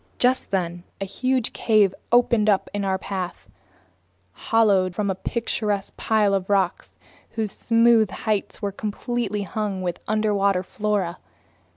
Just then a huge cave opened up in our path, hollowed from a picturesque pile of rocks whose smooth heights were completely hung with underwater flora.